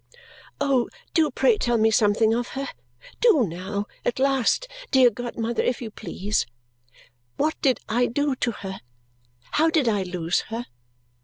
"Oh, do pray tell me something of her. Do now, at last, dear godmother, if you please! What did I do to her? How did I lose her?